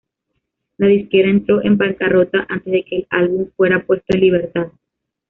La disquera entró en bancarrota antes de que el álbum fuera puesto en libertad.